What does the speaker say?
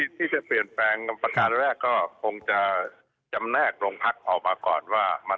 ที่จะเปลี่ยนแปลงประการแรกก็คงจะจำแนกโรงพักออกมาก่อนว่า